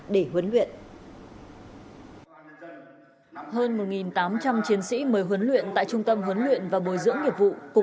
để huấn luyện hơn một tám trăm linh chiến sĩ mời huấn luyện tại trung tâm huấn luyện và bồi dưỡng nghiệp vụ